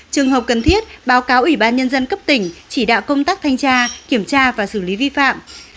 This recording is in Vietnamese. trường hợp cần thiết báo cáo ủy ban nhân dân cấp tỉnh chỉ đạo công tác thanh tra kiểm tra và xử lý vi phạm